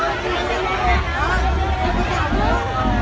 ก็ไม่มีเวลาให้กลับมาเท่าไหร่